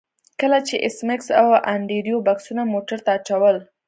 کله چې ایس میکس او انډریو بکسونه موټر ته اچول